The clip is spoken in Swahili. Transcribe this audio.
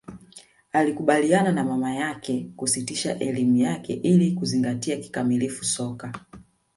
alikubaliana na mama yake kusitisha elimu yake ili kuzingatia kikamilifu soka